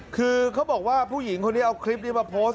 คือเขาบอกว่าผู้หญิงคนนี้เอาคลิปนี้มาโพสต์